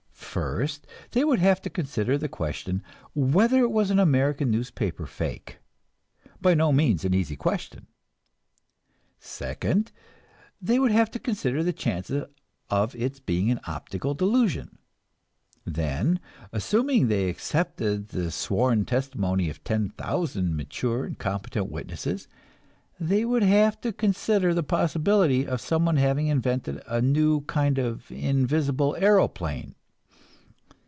First, they would have to consider the question whether it was an American newspaper fake by no means an easy question. Second, they would have to consider the chances of its being an optical delusion. Then, assuming they accepted the sworn testimony of ten thousand mature and competent witnesses, they would have to consider the possibility of someone having invented a new kind of invisible aeroplane.